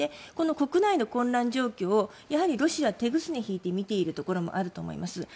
この国内の混乱状況をロシアは手ぐすね引いて見ているところもあると思います。